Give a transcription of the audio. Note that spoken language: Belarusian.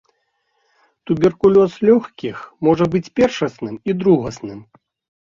Туберкулёз лёгкіх можа быць першасным і другасным.